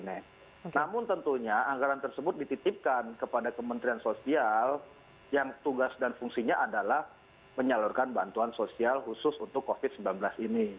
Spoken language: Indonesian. namun tentunya anggaran tersebut dititipkan kepada kementerian sosial yang tugas dan fungsinya adalah menyalurkan bantuan sosial khusus untuk covid sembilan belas ini